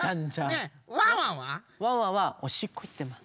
ワンワンはおしっこいってます。